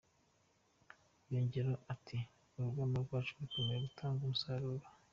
" Yongeyeho ati: "Urugamba rwacu rukomeje gutanga umusaruro!".